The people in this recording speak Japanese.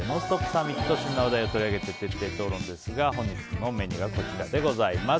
サミット旬な話題を取り上げて徹底討論ですが本日のメニューがこちらです。